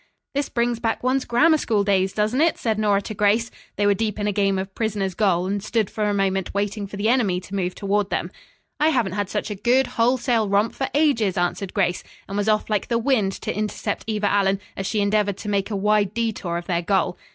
"This brings back one's Grammar School days, doesn't it?" said Nora to Grace. They were deep in a game of prisoner's goal, and stood for a moment waiting for the enemy to move toward them. "I haven't had such a good, wholesale romp for ages," answered Grace, and was off like the wind to intercept Eva Allen as she endeavored to make a wide detour of their goal.